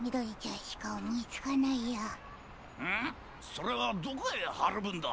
それはどこへはるぶんだ？